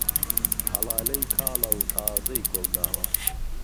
ههڵالەی کاڵه و تازەی گوڵ داوه